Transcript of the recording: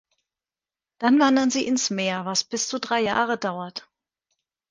Dann wandern sie ins Meer, was bis zu drei Jahre dauert.